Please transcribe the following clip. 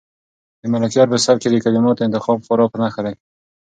د ملکیار په سبک کې د کلماتو انتخاب خورا په نښه دی.